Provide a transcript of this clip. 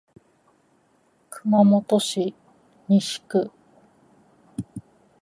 熊本市西区